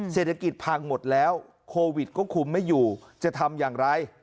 เศรษฐกิจพังหมดแล้วโควิดก็คุมไม่อยู่จะทำอย่างไร